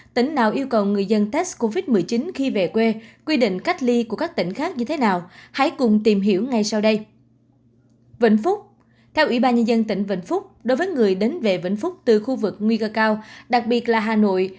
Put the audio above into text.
theo ủy ban nhân dân tỉnh vĩnh phúc đối với người đến về vĩnh phúc từ khu vực nguy cơ cao đặc biệt là hà nội